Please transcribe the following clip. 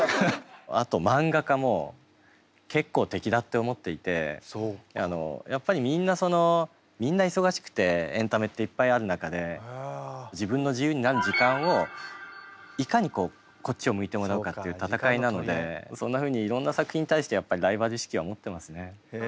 あと漫画家も結構敵だって思っていてやっぱりみんなそのみんな忙しくてエンタメっていっぱいある中で自分の自由になる時間をいかにこっちを向いてもらうかっていう戦いなのでそんなふうにいろんな作品に対してやっぱりライバル意識は持ってますね。